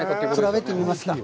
比べてみますか。